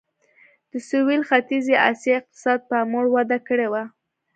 د سوېل ختیځې اسیا اقتصاد پاموړ وده کړې وه.